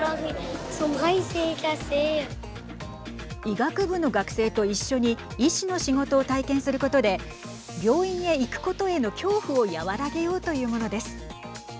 医学部の学生と一緒に医師の仕事を体験することで病院へ行くことへの恐怖を和らげようというものです。